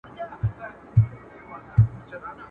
باندي اوښتي وه تر سلو اضافه کلونه.